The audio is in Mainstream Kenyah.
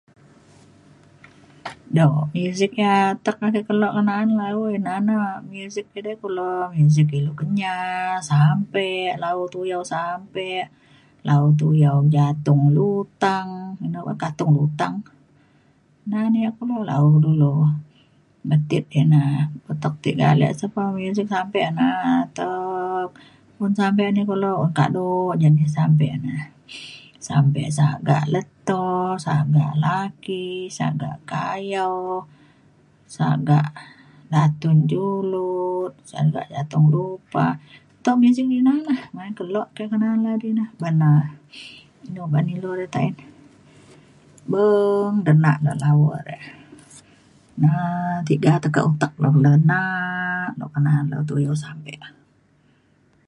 um muzik yak ake atek kelo ngena’an lau ina na muzik edei kulo muzik ilu Kenyah sampe lau tuyau sampe lau tuyau jatung lutang ina ban katung lutang. na na ia’ kulo lau dulu metit ina atek tiga ale muzik sampe na atek un sampe ni kulo un kado yak ti sampe na. sampe sagak leto sagak laki sagak kayo sagak datun julud sagak jatung lupa. tau muzik ina lah main kulo kenaan di na ban na inu ba’an ilu re taen beng denak le lau re na tiga tekak utek le denak na kenaan le tuyau sampe.